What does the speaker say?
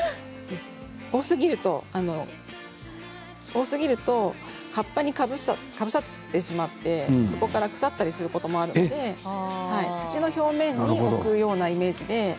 多すぎると葉っぱにかぶさってしまってそこから腐ったりすることもあるので土の表面にいくようなイメージで。